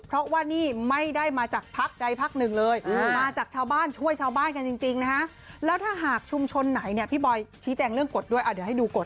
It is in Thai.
เพราะว่านี่ไม่ได้มาจากพักใดพักหนึ่งเลยมาจากชาวบ้านช่วยชาวบ้านกันจริงนะฮะแล้วถ้าหากชุมชนไหนเนี่ยพี่บอยชี้แจงเรื่องกฎด้วยเดี๋ยวให้ดูกฎ